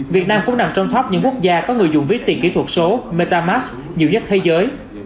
việt nam cũng nằm trong top những quốc gia có người dùng viết tiền kỹ thuật số metam max nhiều nhất thế giới